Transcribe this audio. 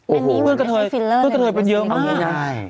อืมอันนี้เพื่อนกับเธอเพื่อนกับเธอเป็นเยอะมากเอาอย่างงี้นะใช่